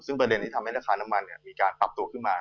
ซึ่งประเด็นที่ทำให้ราคาน้ำมันมีการปรับตัวขึ้นมา